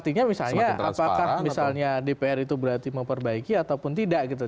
artinya misalnya apakah misalnya dpr itu berarti memperbaiki ataupun tidak gitu